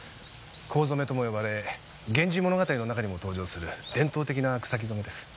香染とも呼ばれ『源氏物語』の中にも登場する伝統的な草木染めです。